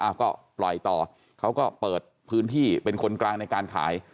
ก็ปล่อยต่อเขาก็เปิดพื้นที่เป็นคนกลางในการขาย